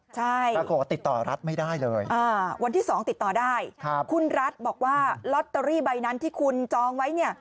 ใช่วันที่๒ติดต่อได้คุณรัฐบอกว่าลอตเตอรี่ใบนั้นที่คุณจองไว้